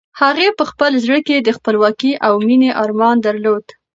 هغې په خپل زړه کې د خپلواکۍ او مېنې ارمان درلود.